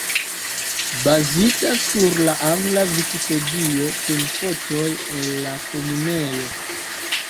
Bazita sur la angla Vikipedio, kun fotoj el la Komunejo.